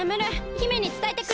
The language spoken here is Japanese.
姫につたえてくる。